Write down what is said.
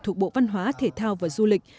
thuộc bộ văn hóa thể thao và du lịch